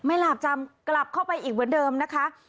ไม่หลาบจำกลับเข้าไปอีกวันเดิมนะคะ